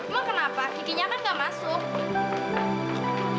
lu kenapa kikinya kan gak masuk